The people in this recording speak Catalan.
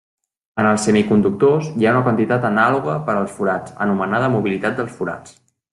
En els semiconductors, hi ha una quantitat anàloga per als forats, anomenada mobilitat dels forats.